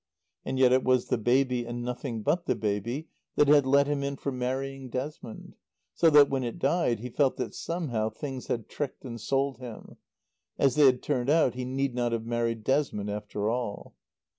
And yet it was the baby and nothing but the baby that had let him in for marrying Desmond. So that, when it died, he felt that somehow things had tricked and sold him. As they had turned out he need not have married Desmond after all.